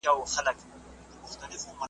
ملګرو لار بدله کړی کاروان په باورنه دی ,